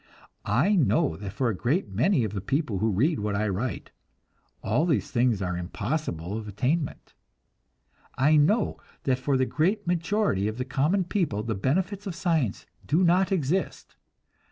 I know that for a great many of the people who read what I write, all these things are impossible of attainment; I know that for the great majority of the common people the benefits of science do not exist.